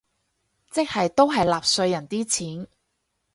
即係都係納稅人啲錢